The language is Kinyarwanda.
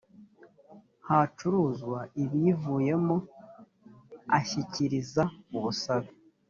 hacuruzwa ibiyivuyemo ashyikiriza ubusabe